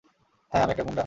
হ্যাঁ, আমি একটা গুন্ডা।